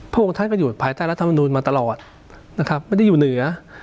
พระองค์ท่านก็อยู่ภายใต้รัฐมนุนมาตลอดนะครับไม่ได้อยู่เหนือ